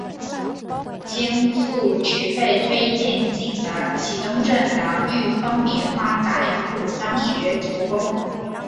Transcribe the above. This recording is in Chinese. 经父执辈推介进了启东镇的裕丰棉花杂粮铺当学徒工。